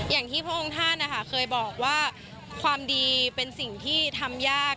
อย่างที่พระองค์ท่านนะคะเคยบอกว่าความดีเป็นสิ่งที่ทำยาก